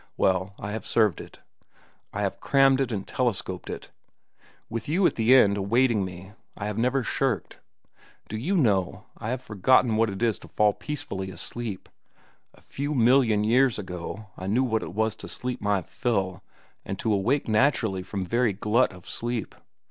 Well, I have served it. I have crammed it and telescoped it. With you at the end awaiting me, I have never shirked. Do you know, I have forgotten what it is to fall peacefully asleep. A few million years ago I knew what it was to sleep my fill and to awake naturally from very glut of sleep.